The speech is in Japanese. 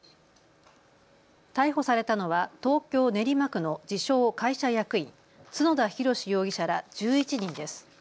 逮捕されたのは東京練馬区の自称・会社役員、角田弘容疑者ら１１人です。